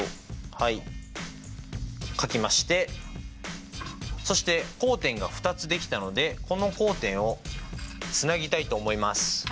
はい書きましてそして交点が２つ出来たのでこの交点をつなぎたいと思います。